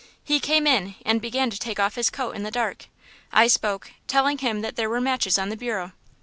He came in and began to take off his coat in the dark. I spoke, telling him that there were matches on the bureau.